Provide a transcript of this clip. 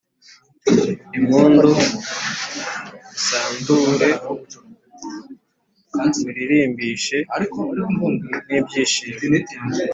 impundu Musandure muririmbishwe n ibyishimo